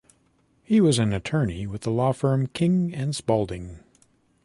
He was an attorney with the law firm King and Spalding.